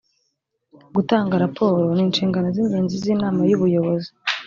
gutanga raporo ni inshingano z’ ingenzi z’inama y’ubuyobozi